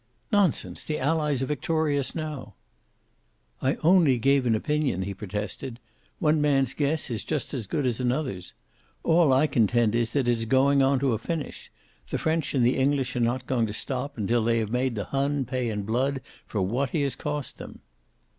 "Nonsense! The Allies are victorious now:" "I only gave an opinion," he protested. "One man's guess is just as good as another's. All I contend is that it is going on to a finish. The French and English are not going to stop until they have made the Hun pay in blood for what he has cost them."